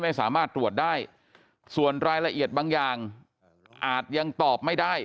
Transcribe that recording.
ไม่สามารถตรวจได้ส่วนรายละเอียดบางอย่างอาจยังตอบไม่ได้